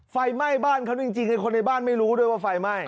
ไฟไหม้บ้านเขาจริงไอ้คนในบ้านไม่รู้ด้วยว่าไฟไหม้